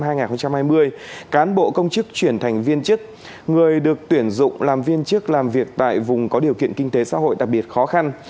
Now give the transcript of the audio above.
từ ngày một tháng bảy năm hai nghìn hai mươi cán bộ công chức chuyển thành viên chức người được tuyển dụng làm viên chức làm việc tại vùng có điều kiện kinh tế xã hội đặc biệt khó khăn